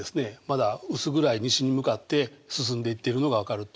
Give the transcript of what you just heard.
まだ薄暗い西に向かって進んでいってるのが分かると思います。